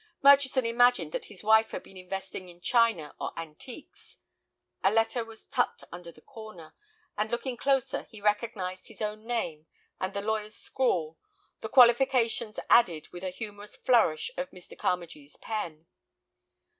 Murchison imagined that his wife had been investing in china or antiques. A letter was tucked under the cord, and, looking closer, he recognized his own name and the lawyer's scrawl, the "qualifications" added with a humorous flourish of Mr. Carmagee's pen.